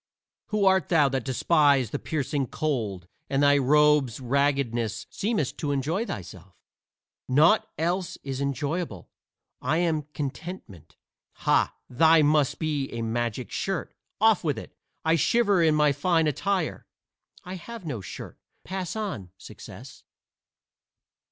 "Who art thou that despite the piercing cold and thy robe's raggedness seemest to enjoy thyself?" "Naught else is enjoyable I am Contentment." "Ha! thine must be a magic shirt. Off with it! I shiver in my fine attire." "I have no shirt. Pass on, Success."